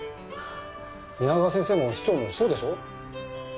皆川先生も師長もそうでしょ？